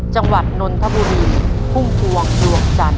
จังหวัดนนทบุรีพุ่งฟวงดวกจันทร์